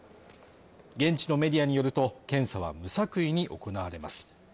現地のメディアによると検査は無作為に行われます。